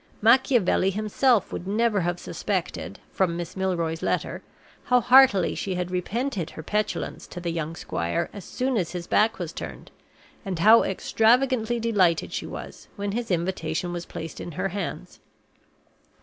Machiavelli himself would never have suspected, from Miss Milroy's letter, how heartily she had repented her petulance to the young squire as soon as his back was turned, and how extravagantly delighted she was when his invitation was placed in her hands.